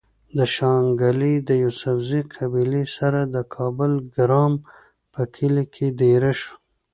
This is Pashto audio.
د شانګلې د يوسفزۍقبيلې سره د کابل ګرام پۀ کلي کې ديره شو